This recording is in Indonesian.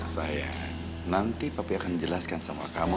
saya nanti papi akan jelaskan sama kamu